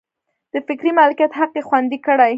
د فکري مالکیت حق یې خوندي کړي.